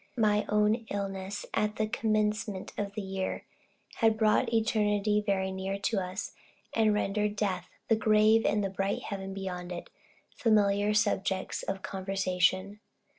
My own illness at the commencement of the year had brought eternity very near to us, and rendered death, the grave, and the bright heaven beyond it, familiar subjects of conversation.